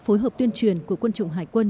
phối hợp tuyên truyền của quân chủng hải quân